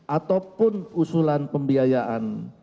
ataupun usulan pembiayaan